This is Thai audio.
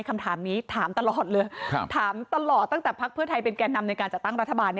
คำถามนี้ถามตลอดเลยถามตลอดตั้งแต่พักเพื่อไทยเป็นแก่นำในการจัดตั้งรัฐบาล